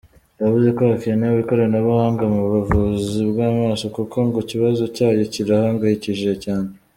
Yavuze ko hakenewe ikoranabuhanga mu buvuzi bw’amaso kuko ngo ikibazo cyayo kirahangayikishije cyane.